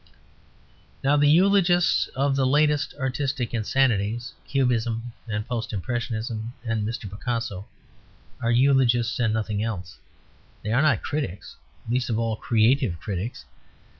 Now the eulogists of the latest artistic insanities (Cubism and Post Impressionism and Mr. Picasso) are eulogists and nothing else. They are not critics; least of all creative critics.